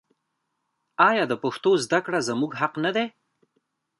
آیا د پښتو زده کړه زموږ حق نه دی؟